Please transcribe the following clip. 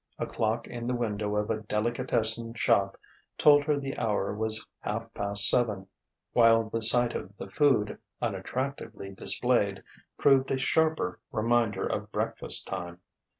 A clock in the window of a delicatessen shop told her the hour was half past seven, while the sight of the food unattractively displayed proved a sharper reminder of breakfast time.